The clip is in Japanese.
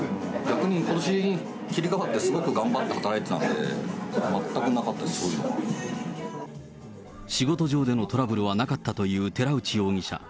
逆にことし切り替えてすごく頑張って働いてたんで、仕事上でのトラブルはなかったという寺内容疑者。